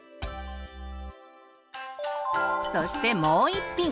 そしてもう１品！